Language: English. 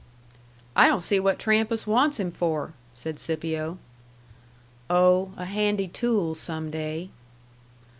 "I don't see what Trampas wants him for," said Scipio. "Oh, a handy tool some day."